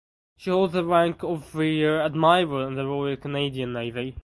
She holds the rank of rear admiral in the Royal Canadian Navy.